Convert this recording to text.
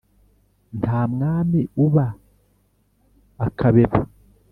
Nta mwami uba akabeba.